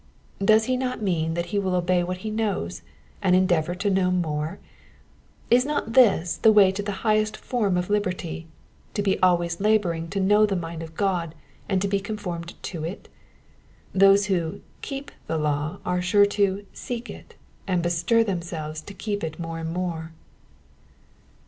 Does he not mean that he will obey what he knows, and endeavour to know more ? Is not this the way to the liighest form of liberty, — ^to be always labouring to know the mind of Gk>d and to be conformed to it? Those who keep the law are sure to seek it, and bestir themselves to keep it more and more.